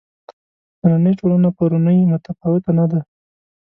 نننۍ ټولنه پرونۍ متفاوته نه دي.